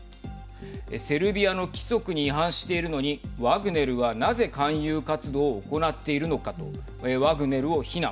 セルビアの規則に違反しているのにワグネルは、なぜ勧誘活動を行っているのかとワグネルを非難。